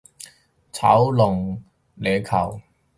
炒龍躉球